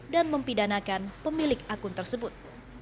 dan mempidanakan pemilik akun tersebut